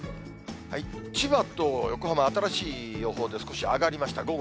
千葉と横浜、新しい予報で、少し上がりました。